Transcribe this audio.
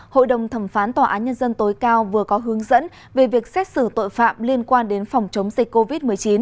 hội đồng thẩm phán tòa án nhân dân tối cao vừa có hướng dẫn về việc xét xử tội phạm liên quan đến phòng chống dịch covid một mươi chín